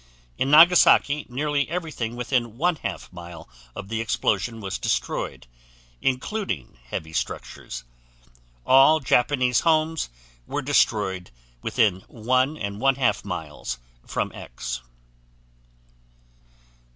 In Nagasaki, nearly everything within 1/2 mile of the explosion was destroyed, including heavy structures. All Japanese homes were destroyed within 1 1/2 miles from X.